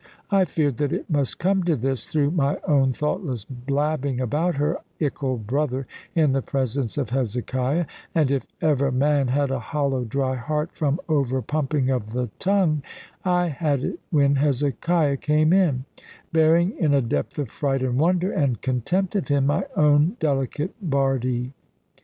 I feared that it must come to this, through my own thoughtless blabbing about her "ickle bother" in the presence of Hezekiah: and if ever man had a hollow dry heart from over pumping of the tongue, I had it when Hezekiah came in; bearing, in a depth of fright and wonder, and contempt of him, my own delicate Bardie.